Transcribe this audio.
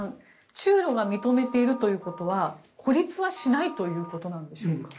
中ロが認めているということは孤立はしないということなんでしょうか。